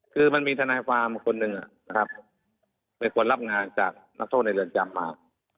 คือมันมีธนายฟาร์มคนหนึ่งไปกดรับงานจากนักโทษในเรือนจำมา